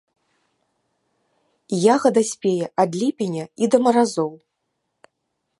Ягада спее ад ліпеня і да маразоў.